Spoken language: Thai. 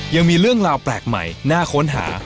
ยังมีเรื่องราวแปลกใหม่น่าค้นหา